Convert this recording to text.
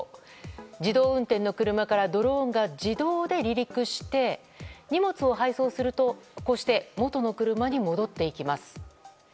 自動運転の車からドローンが自動で離陸して荷物を配送するとこうして元の車に戻っていきます。